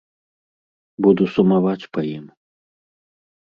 Буду сумаваць па ім.